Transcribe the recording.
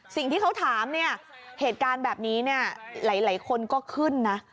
สิ่งที่เขาถามเนี่ยเหตุการณ์แบบนี้เนี่ยหลายคนก็ขึ้นนะ